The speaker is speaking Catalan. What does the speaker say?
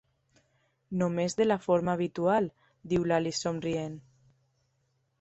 "Només de la forma habitual", diu l"Alice, somrient.